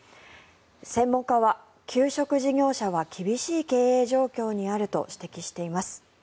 専門家は給食事業者は厳しい経営状況にあると指摘しています。